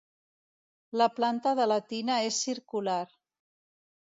La planta de la tina és circular.